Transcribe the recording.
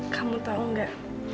kamu tau gak